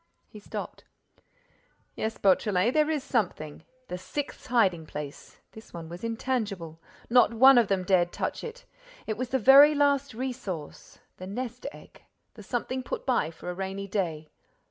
He stopped. "Yes, Beautrelet, there is something—the sixth hiding place! This one was intangible. Not one of them dared touch it. It was the very last resource, the nest egg, the something put by for a rainy day.